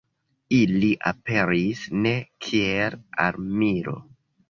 Ili aperis ne kiel armilo.